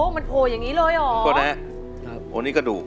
อ๋อมันโผล่อย่างนี้เลยหรออเจมส์ตรงนี้กระดูก